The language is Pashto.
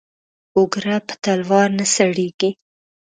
او گره په تلوار نه سړېږي.